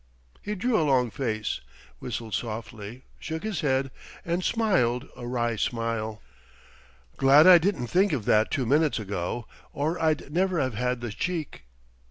He drew a long face; whistled softly; shook his head; and smiled a wry smile. "Glad I didn't think of that two minutes ago, or I'd never have had the cheek..."